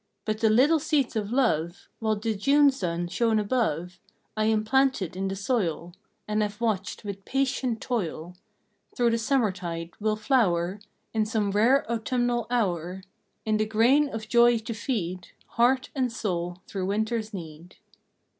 But the little seeds of love While the June sun shone above I implanted in the soil, And have watched with patient toil Through the summertide, will flower In some rare autumnal hour In the grain of joy to feed Heart and soul through winter s need.